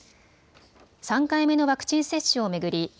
３回目のワクチン接種を巡り